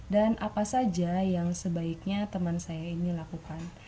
dan apa saja yang sebaiknya teman saya ini lakukan